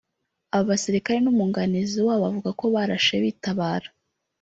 Aba basirikare n’ umwuganizi wabo bavuga ko barashe bitabara